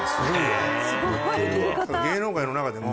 芸能界の中でも。